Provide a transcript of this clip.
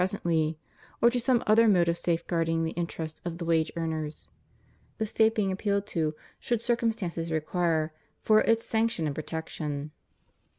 237 presently, or to some other mode of safeguarding the interests of the wage earners ; the State being appealed to, should circumstances require, for its sanction and pro tection.